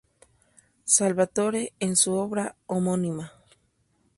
Salvatore en su obra homónima.